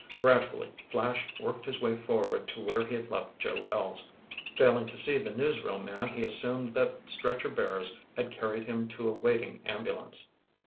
Gradually, Flash worked his way forward to where he had left Joe Wells. Failing to see the newsreel man he assumed that stretcher bearers had carried him to a waiting ambulance.